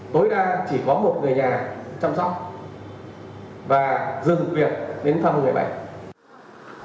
tối đa chỉ có một người nhà chăm sóc và dừng việc đến thăm người bệnh